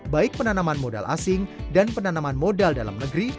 baik penanaman modal asing dan penanaman modal dalam negeri